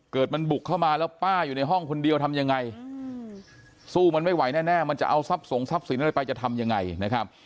มันบุกเข้ามาแล้วป้าอยู่ในห้องคนเดียวทำยังไงสู้มันไม่ไหวแน่มันจะเอาทรัพย์ส่งทรัพย์สินอะไรไปจะทำยังไงนะครับ